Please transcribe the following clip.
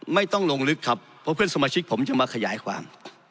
ไม่ต้องลงลึกครับเพราะเพื่อนสมาชิกผมจะมาขยายความ